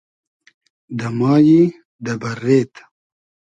دۂ مایی دۂ بئررېد